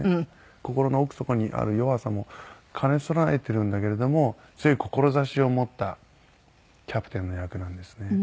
心の奥底にある弱さも兼ね備えてるんだけれども強い志を持ったキャプテンの役なんですね。